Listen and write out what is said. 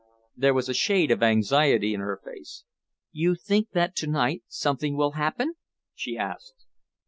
There was a shade of anxiety in her face. "You think that to night something will happen?" she asked.